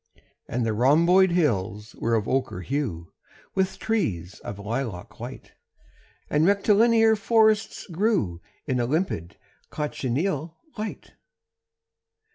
And the rhomboid hills were of ochre hue With trees of lilac white, And rectilinear forests grew In a limpid cochineal light.